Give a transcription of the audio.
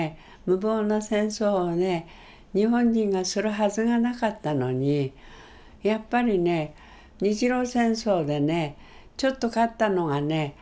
無謀な戦争をね日本人がするはずがなかったのにやっぱりね日露戦争でねちょっと勝ったのがね。